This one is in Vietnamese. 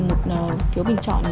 một phiếu bình chọn